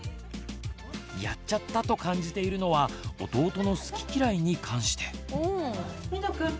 やっちゃったと感じているのは弟の好き嫌いに関して。